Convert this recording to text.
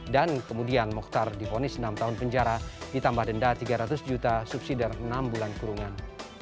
dan kemudian mokhtar diponis enam tahun penjara ditambah denda tiga ratus juta subsidi dari enam bulan kurungan